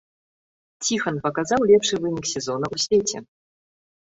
Ціхан паказаў лепшы вынік сезона ў свеце.